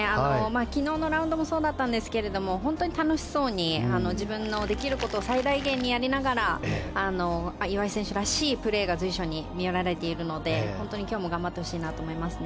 昨日のラウンドもそうだったんですけども本当に楽しそうに自分のできることを最大限にやりながら岩井選手らしいプレーが随所に見られているので今日も頑張ってほしいなと思いますね。